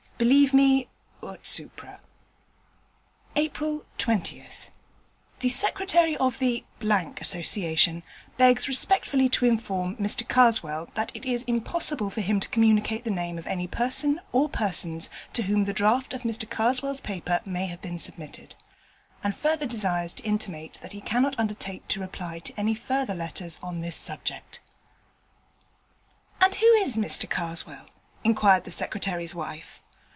Believe me (ut supra). April 20th The Secretary of the Association begs respectfully to inform Mr Karswell that it is impossible for him to communicate the name of any person or persons to whom the draft of Mr Karswell's paper may have been submitted; and further desires to intimate that he cannot undertake to reply to any further letters on this subject. 'And who is Mr Karswell?' inquired the Secretary's wife.